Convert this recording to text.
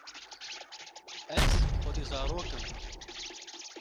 ez xwedî zarok im